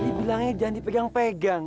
tadi bilangnya jangan dipegang pegang